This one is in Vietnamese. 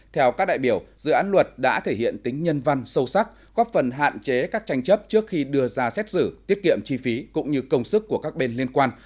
theo các đại biểu dự án luật đã thể hiện tính nhân văn sâu sắc góp phần hạn chế các tranh chấp trước khi đưa ra xét xử tiết kiệm chi phí cũng như công sức của các bên liên quan